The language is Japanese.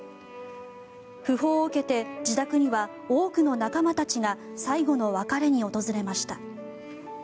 訃報を受けて自宅には多くの仲間たちが最後の別れに訪れました。